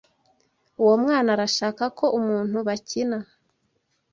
Uwo mwana arashaka ko umuntu bakina.